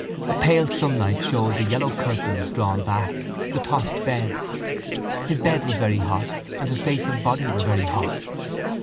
A pale sunlight showed the yellow curtains drawn back, the tossed beds. His bed was very hot and his face and body were very hot.